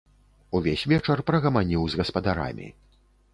Увесь вечар прагаманіў з гаспадарамі.